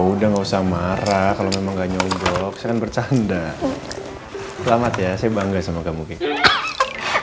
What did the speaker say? udah nggak usah marah kalau nggak nyobok saya bercanda selamat ya saya bangga sama kamu kiki